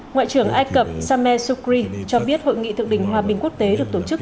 ngoại trưởng ai cập sameh sukri cho biết hội nghị thượng đỉnh hòa bình quốc tế được tổ chức